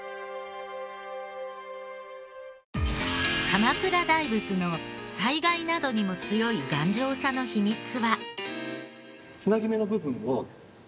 鎌倉大仏の災害などにも強い頑丈さの秘密は。